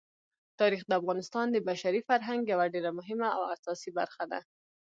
تاریخ د افغانستان د بشري فرهنګ یوه ډېره مهمه او اساسي برخه ده.